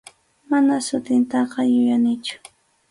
Manam sutintaqa yuyanichu.